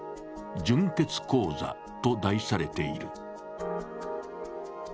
「純潔講座」と題されている。